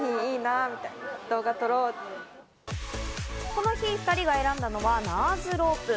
この日、２人が選んだのはナーズロープ。